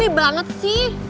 kok ini banget sih